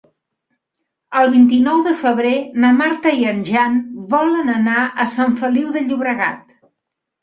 El vint-i-nou de febrer na Marta i en Jan volen anar a Sant Feliu de Llobregat.